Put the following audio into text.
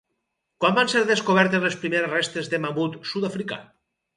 Quan van ser descobertes les primeres restes de mamut sud-africà?